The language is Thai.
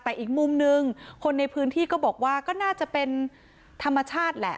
แต่อีกมุมนึงคนในพื้นที่ก็บอกว่าก็น่าจะเป็นธรรมชาติแหละ